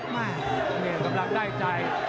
กำลังได้ใจ